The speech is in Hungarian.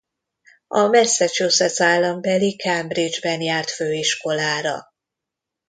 A Massachusetts állambeli Cambridge-ben járt főiskolára.